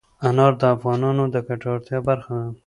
انار د افغانانو د ګټورتیا برخه ده.